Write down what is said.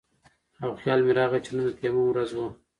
او خيال مې راغے چې نن د تيمم ورځ وه